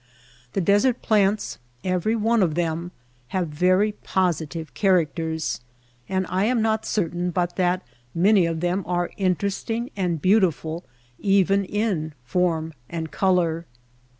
The desert plants, every one of them, have very positive characters ; and I am not certain but that many of them are interesting and beauti ful even in form and color.